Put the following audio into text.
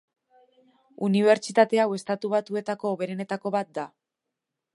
Unibertsitate hau Estatu Batuetako hoberenetako bat da.